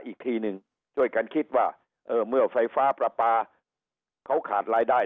อีกทีหนึ่งช่วยกันคิดว่าเออเมื่อไฟฟ้าประปาเขาขาดรายได้